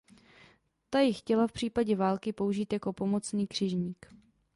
Ta ji chtěla v případě války použít jako pomocný křižník.